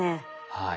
はい。